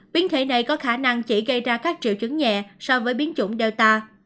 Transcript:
biến thể này có khả năng chỉ gây ra các triệu chứng nhẹ so với biến chủng delta